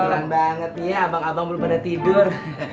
beneran banget ya abang abang belum pernah tidur